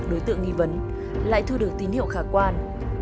đối tượng nghi vấn lại thu được tín hiệu khả quan